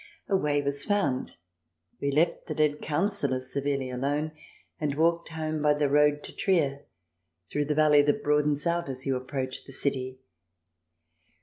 A way was found. We left the Dead Councillor severely alone, and walked home by the road to Trier, through the valley that broadens out as you approach the city.